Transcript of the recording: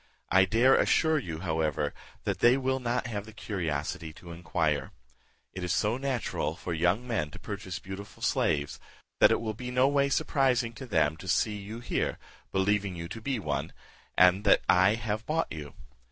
I dare assure you, however, that they will not have the curiosity to inquire. It is so natural for young men to purchase beautiful slaves, that it will be no way surprising to them to see you here, believing you to be one, and that I have bought you.